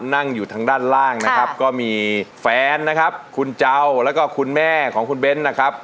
นั่งอยู่ทางด้านล่างนะครับก็มีแฟนนะครับคุณเจ้าแล้วก็คุณแม่ของคุณเบ้นนะครับ